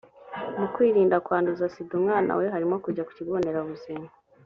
mu kwirinda kwanduza sida umwana we harimo kujya ku kigo nderabuzima